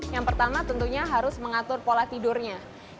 yang pertama tentunya harus mengatur pola tidurnya